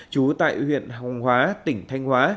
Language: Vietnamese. trú tại huyện hồng hóa tỉnh thanh hóa